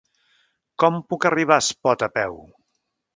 Com puc arribar a Espot a peu?